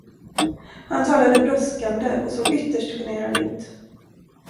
Han talade brådskande och såg ytterst generad ut.